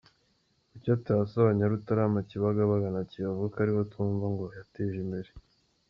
Kuki atayasaba Nyarutarama, Kibagabaga na Kiyovu ko ariho twumva ngo yateje imbere?